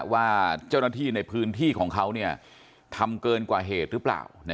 ว่าเจ้าหน้าที่ในพื้นที่ของเขาทำเกินกว่าเหตุหรือเปล่า